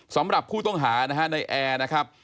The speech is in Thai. สำหรับผู้ต้องหานะฮะในแอร์นะครับ